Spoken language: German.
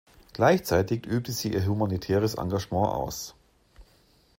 Gleichzeitig übte sie ihr humanitäres Engagement aus.